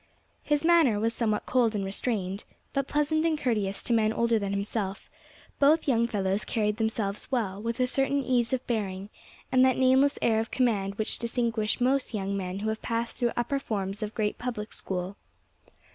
His manner was somewhat cold and restrained, but pleasant and courteous to men older than himself; both young fellows carried themselves well, with a certain ease of bearing, and that nameless air of command which distinguish most young men who have passed through the upper forms of a great public school.